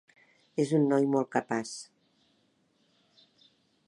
És un noi molt capaç.